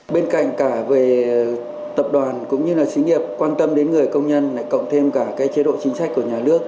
bên cạnh cả về tập đoàn cũng như là sĩ nghiệp quan tâm đến người công nhân lại cộng thêm cả cái chế độ chính sách của nhà nước